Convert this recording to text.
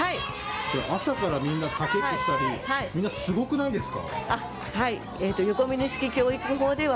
朝からみんなかけっこしたりみんなすごくないですか。